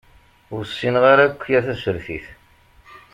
Ur ssineɣ ara akya tasertit.